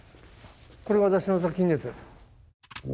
これ私の作品です。